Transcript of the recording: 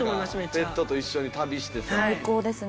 ペットと一緒に旅してさ。